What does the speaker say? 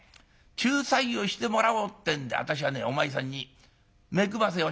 仲裁をしてもらおうってんで私はねお前さんに目くばせをしたんだよ。